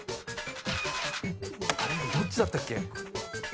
どっちだったっけ？